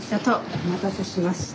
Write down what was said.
お待たせしました。